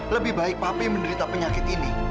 lebih baik papi menderita penyakit ini